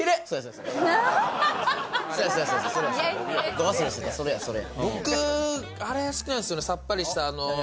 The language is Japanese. ど忘れしてた、それや、それ。